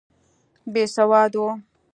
بېسواده وو.